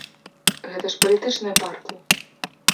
Гэта ж палітычныя партыі!